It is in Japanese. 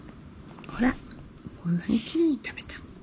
ほらこんなにきれいに食べた。